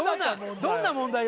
どんな問題？